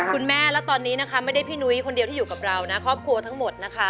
คุณแม่แล้วตอนนี้นะคะไม่ได้พี่นุ้ยคนเดียวที่อยู่กับเรานะครอบครัวทั้งหมดนะคะ